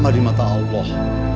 sama di mata allah